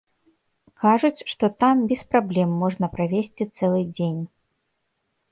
Кажуць, што там без праблем можна правесці цэлы дзень.